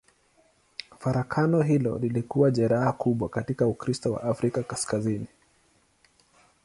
Farakano hilo lilikuwa jeraha kubwa katika Ukristo wa Afrika Kaskazini.